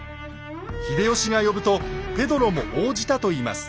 秀吉が呼ぶとペドロも応じたといいます。